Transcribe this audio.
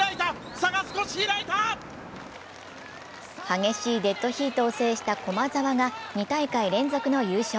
激しいデッドヒートを制した駒沢が２大会連続の優勝。